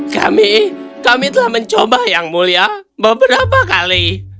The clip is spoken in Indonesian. kami kami telah mencoba yang mulia beberapa kali